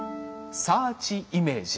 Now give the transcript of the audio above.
サーチイメージ。